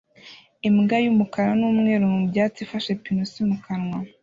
Imbwa y'umukara n'umweru mu byatsi ifashe pinusi mu kanwa